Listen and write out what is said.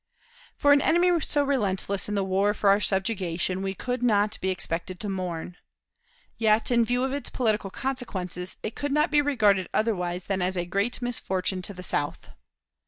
For an enemy so relentless in the war for our subjugation, we could not be expected to mourn; yet, in view of its political consequences, it could not be regarded otherwise than as a great misfortune to the South.